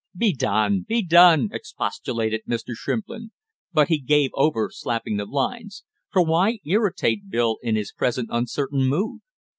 "Be done! Be done!" expostulated Mr. Shrimplin, but he gave over slapping the lines, for why irritate Bill in his present uncertain mood?